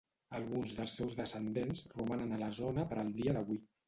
Alguns dels seus descendents romanen a la zona per al dia d'avui.